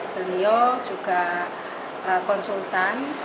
beliau juga konsultan